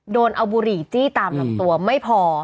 โดนเอาบุหรี่จี้ตามลำตัวไม่พอ